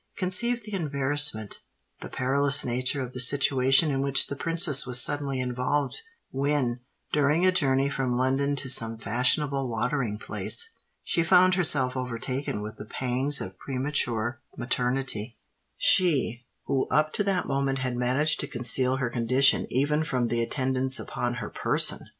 Conceive the embarrassment—the perilous nature of the situation in which the princess was suddenly involved—when, during a journey from London to some fashionable watering place, she found herself overtaken with the pangs of premature maternity—she, who up to that moment had managed to conceal her condition even from the attendants upon her person!